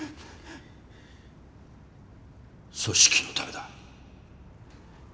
組織のためだ。